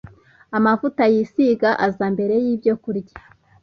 amavuta yisiga aza mbere y’ibyo kurya